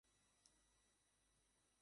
অন্যত্র যেরূপ, ভারতেও উহা ঐরূপই অস্বাভাবিক।